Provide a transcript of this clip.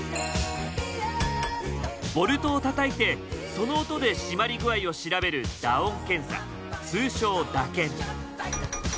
ボルトをたたいてその音で締まり具合を調べる打音検査通称打検。